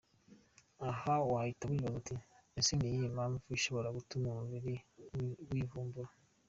Aha wahita wibaza uti ese ni iyihe mpamvu ishobora gutuma umubiri wivumbura?.